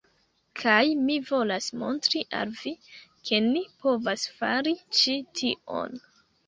Kaj mi volas montri al vi, ke ni povas fari ĉi tion.